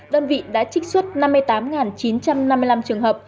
đơn vị đã trích xuất năm mươi tám chín trăm năm mươi năm trường hợp